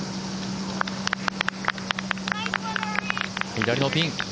左のピン。